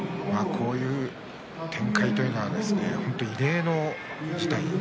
こういう展開というのは異例の事態ですね。